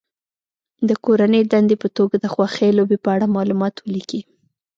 د کورنۍ دندې په توګه د خوښې لوبې په اړه معلومات ولیکي.